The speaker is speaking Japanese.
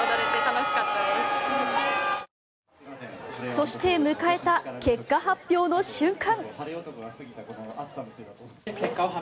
そして、迎えた結果発表の瞬間。